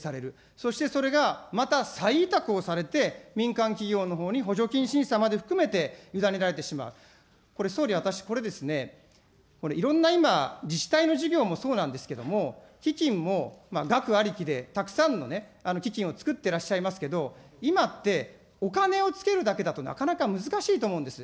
そしてそれがまた再委託をされて、民間企業のほうに補助金審査まで含めて、委ねられてしまう、これ総理、私、これですね、いろんな今、自治体の事業もそうなんですけども、基金も額ありきでたくさんのね、基金を作ってらっしゃいますけど、今ってお金をつけるだけだとなかなか難しいと思うんです。